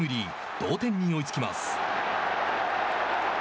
同点に追いつきます。